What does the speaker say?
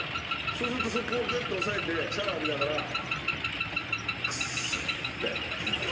そうするとそこをグッと押さえてシャワー浴びながら「くっそ」って。